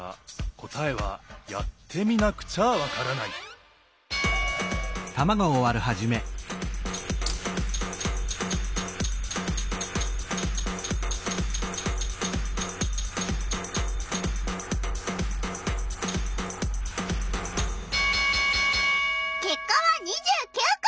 答えはやってみなくちゃわからないけっかは２９こ！